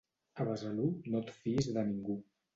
A Besalú no et fiïs de ningú.